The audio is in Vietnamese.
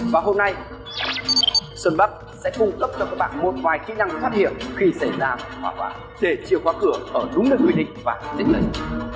và hôm nay xuân bắc sẽ cung cấp cho các bạn một vài kỹ năng phát hiện khi xảy ra hoà quả để chiều qua cửa ở đúng nơi quy định và tỉnh lệch